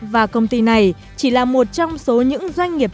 và công ty này chỉ là một trong số những doanh nghiệp